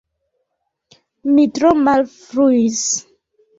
Mi tro malfruis!